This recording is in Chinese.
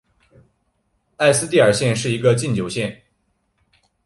埃斯蒂尔县是一个禁酒县。